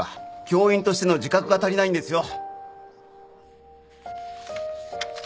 教員としての自覚が足りないんですよ